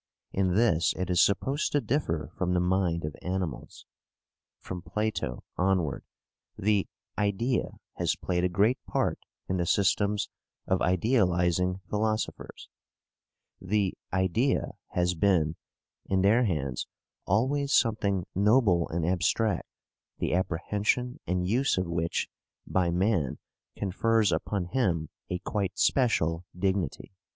In this it is supposed to differ from the mind of animals. From Plato onward the "idea" has played a great part in the systems of idealizing philosophers. The "idea" has been, in their hands, always something noble and abstract, the apprehension and use of which by man confers upon him a quite special dignity.